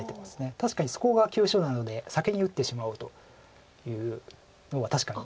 確かにそこが急所なので先に打ってしまおうというのは確かに。